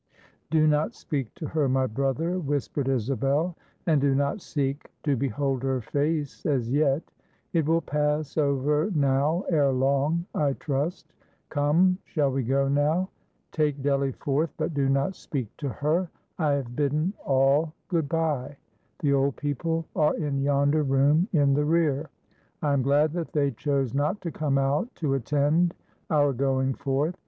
"Do not speak to her, my brother," whispered Isabel, "and do not seek to behold her face, as yet. It will pass over now, ere long, I trust. Come, shall we go now? Take Delly forth, but do not speak to her. I have bidden all good by; the old people are in yonder room in the rear; I am glad that they chose not to come out, to attend our going forth.